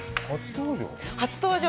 初登場？